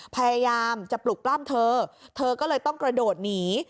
พยายามจะปลุกปล้ำเธอเธอก็เลยต้องกระโดดหนี